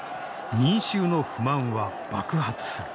民衆の不満は爆発する。